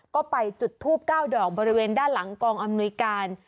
ก็ไปจุดทูบ๙ดอกบริเวณด้านหลังกองอำนวยการ